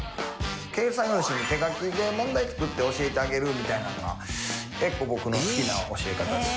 計算用紙に手書きで問題作って教えてあげるみたいなのは結構僕の好きな教え方です。